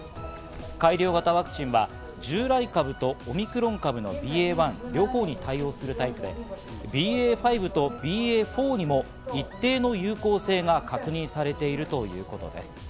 改良型ワクチンは従来株とオミクロン株のＢＡ．１両方に対応するタイプで、ＢＡ．５とＢＡ．４にも一定の有効性が確認されているということです。